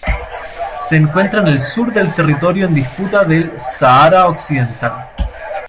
Se encuentra en el sur del territorio en disputa del Sahara Occidental.